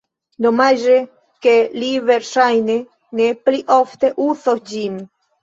Domaĝe ke li verŝajne ne pli ofte uzos ĝin.